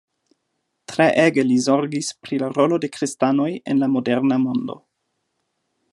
Treege li zorgis pri la rolo de kristanoj en la moderna mondo.